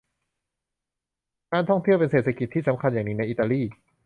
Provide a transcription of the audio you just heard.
การท่องเที่ยวเป็นเศรษกิจทีสำคัญอย่างหนึ่งในอิตาลี